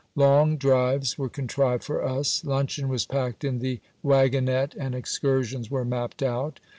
Long drives were contrived for us; luncheon was packed in the waggonette, and excursions were mapped out.